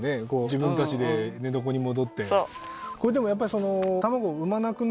自分たちで寝床に戻ってそう